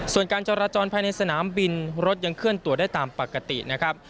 ส่วนการจราจรภายในสนามบินรถยังเคลื่อนตัวได้ตามปกตินะครับ